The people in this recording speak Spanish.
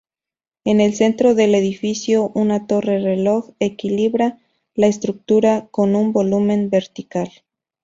En el centro del edificio una torre-reloj equilibra la estructura con un volumen vertical.